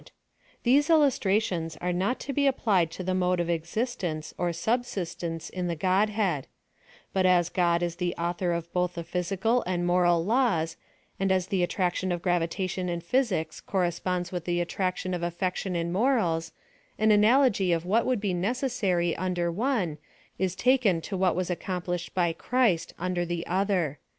The infinite • These illuslrations are not lo be applied to the raole of exis tence, or subsistence, in the Godhead : but, as God is the autlior of both the physical and moral laws, and as the at racticn of gravitation in physics corresponds with the attraction of aflectJou in morals, an analogy of what would be necessary under one, "9 taken to what was accomplishoJ by Christ under the other.